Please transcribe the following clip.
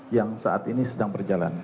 yang saat ini sedang berjalan